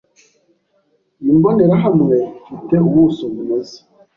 Iyi mbonerahamwe ifite ubuso bunoze.